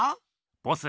ボス